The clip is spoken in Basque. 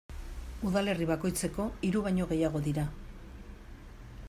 Udalerri bakoitzeko hiru baino gehiago dira.